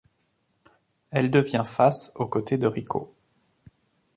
Elle devient face aux côtés de Rico.